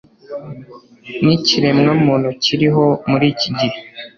n’ikiremwa muntu kiriho muri iki gihe!